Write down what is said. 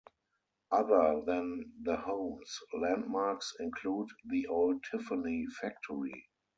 Other than the homes, landmarks include the old Tiffany factory.